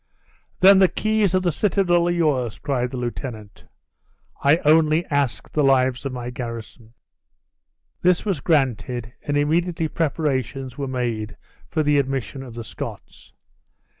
"Then the keys of the citadel are yours," cried the lieutenant; "I only ask the lives of my garrison." This was granted, and immediately preparations were made for the admission of the Scots.